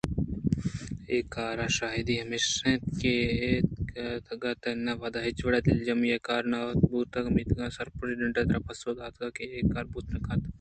اے کار ءِ شاہدی ہمیش اِنت کہ اے تک ءَ تنے وہداں ہچ وڑا دلجم ایں کارے نہ بوتگ ءُمیتگ ءِ سپرنٹنڈنٹ ءَ ترا پسو داتگ کہ اے کار بوت نہ کنت